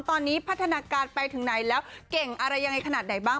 ตอนนี้พัฒนาการไปถึงไหนแล้วเก่งอะไรยังไงขนาดไหนบ้าง